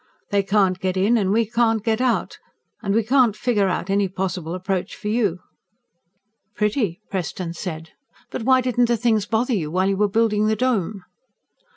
They can't get in and we can't get out and we can't figure out any possible approach for you." "Pretty," Preston said. "But why didn't the things bother you while you were building your Dome?"